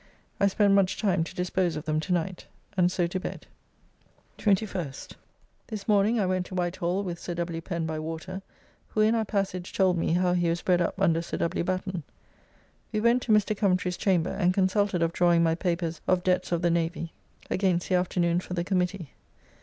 I spent much time to dispose of them tonight, and so to bed. 21st. This morning I went to White Hall with Sir W. Pen by water, who in our passage told me how he was bred up under Sir W. Batten. We went to Mr. Coventry's chamber, and consulted of drawing my papers of debts of the Navy against the afternoon for the Committee.